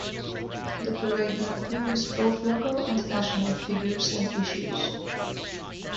The parade lampoons both local and national figures and issues.